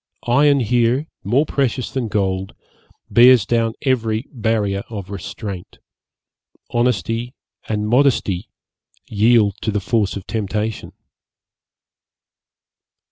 Iron here, more precious than gold, bears down every barrier of restraint; honesty and modesty yield to the force of temptation.'